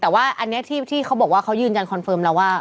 แต่ว่าอันนี้ที่เขาบอกว่าเขายืนยันคอนเฟิร์มแล้วว่า